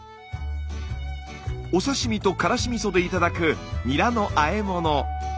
お刺身とからしみそで頂くニラのあえ物。